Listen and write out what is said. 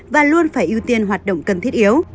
và luôn phải ưu tiên hoạt động cần thiết yếu